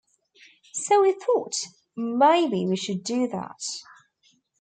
So we thought, maybe we should do that.